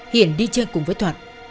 hiền đi chơi cùng với thuận